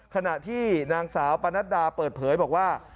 ขณะที่นางสาวปนัดดาเปิดเผยบอกว่า